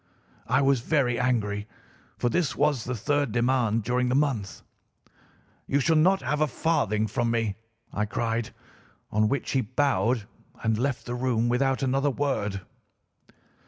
"I was very angry, for this was the third demand during the month. 'You shall not have a farthing from me,' I cried, on which he bowed and left the room without another word.